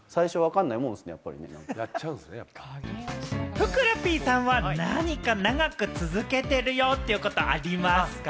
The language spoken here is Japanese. ふくらＰさんは、何か長く続けているよということありますか？